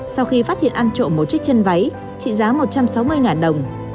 sau khi phát hiện ăn trộm một chiếc chân váy trị giá một trăm sáu mươi đồng